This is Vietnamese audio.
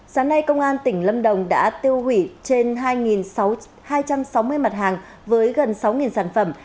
sáng nay công an tỉnh lâm đồng đã tiêu hủy trên hai trăm sáu mươi mặt hàng với gần sáu sản phẩm